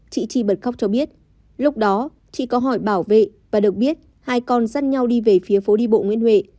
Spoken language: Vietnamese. chị chi bật khóc cho biết lúc đó chị có hỏi bảo vệ và được biết hai con dắt nhau đi về phía phố đi bộ nguyễn huệ